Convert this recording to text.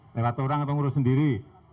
lewat orang atau ngurus sendiri